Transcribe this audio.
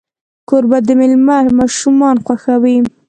کوربه د میلمه ماشومان خوښ ساتي.